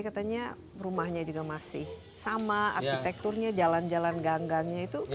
katanya rumahnya juga masih sama arsitekturnya jalan jalan ganggangnya itu